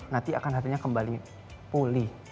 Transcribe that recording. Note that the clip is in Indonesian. nanti akan harganya kembali pulih